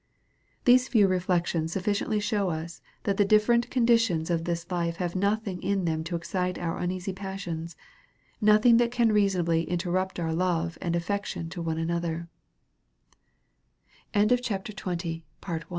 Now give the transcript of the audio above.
Tiiese few reflections sufficiently shew us, that <the, different conditions of this life have nothiiag in them to excite our uneasy passions, nothing that can rea sonably interrupt our love and affection to one anO' ther. To proce